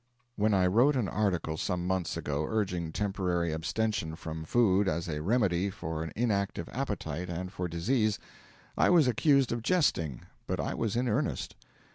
When I wrote an article some months ago urging temporary abstention from food as a remedy for an inactive appetite and for disease, I was accused of jesting, but I was in earnest.